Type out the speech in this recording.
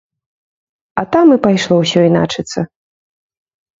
А там і пайшло ўсё іначыцца.